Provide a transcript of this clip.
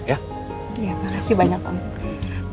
iya makasih banyak om